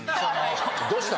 どうした。